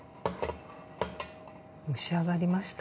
蒸し上がりました。